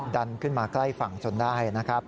ดันขึ้นมาใกล้ฝั่งจนได้นะครับ